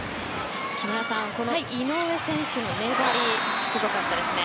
木村さん、この井上選手の粘りすごかったですね。